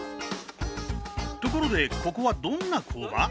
ところでここはどんな工場？